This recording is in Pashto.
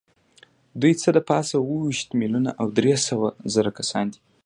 دوی څه د پاسه اووه ویشت میلیونه او درې سوه زره کسه دي.